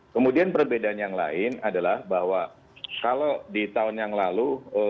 kemudian perbedaan yang lain adalah bahwa kalau di tahun yang lalu